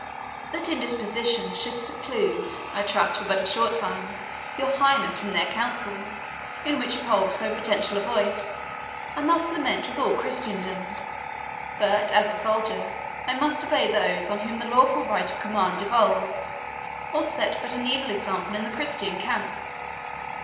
That indisposition should seclude, I trust for but a short time, your highness from their councils, in which you hold so potential a voice, I must lament with all Christendom; but, as a soldier, I must obey those on whom the lawful right of command devolves, or set but an evil example in the Christian camp."